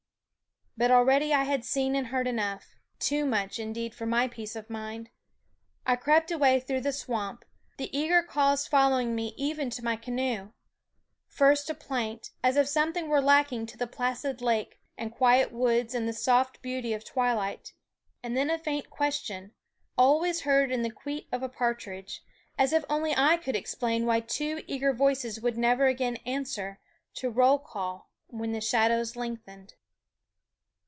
But already I had seen and heard enough ; too much, indeed, for my peace of mind. I crept away through the swamp, the eager calls following me even to my canoe; first a plaint, as if something were lacking to the placid lake and quiet woods and the soft beauty of twilight; and then a faint ques tion, always heard in the kwit of a par tridge, as if only I could explain why two eager voices would never again answer to roll call when the shadows lengthened.